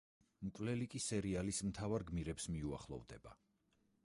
მკვლელი კი სერიალის მთავარ გმირებს მიუახლოვდება.